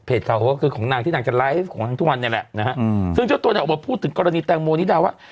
ข่าวก็คือของนางที่นางจะไลฟ์ของนางทุกวันเนี่ยแหละนะฮะอืมซึ่งเจ้าตัวเนี่ยออกมาพูดถึงกรณีแตงโมนิดาว่า